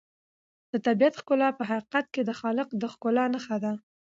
د طبیعت ښکلا په حقیقت کې د خالق د ښکلا نښه ده.